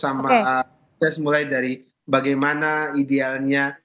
sama proses mulai dari bagaimana idealnya